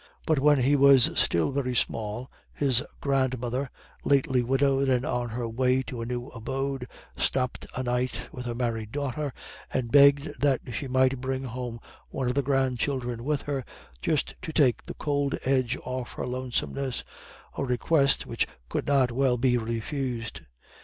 But when he was still very small, his grandmother, lately widowed and on her way to a new abode, stopped a night with her married daughter, and begged that she might bring home one of the grandchildren with her, "just to take the could edge off her lonesomeness," a request which could not well be refused.